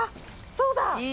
そうだ。